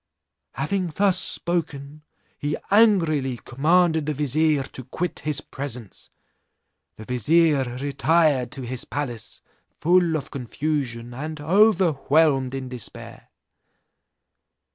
Having thus spoken, he angrily commanded the vizier to quit his presence. The vizier retired to his palace full of confusion, and overwhelmed in despair.